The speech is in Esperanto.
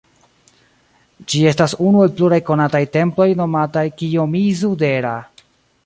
Ĝi estas unu el pluraj konataj temploj nomataj Kijomizu-dera.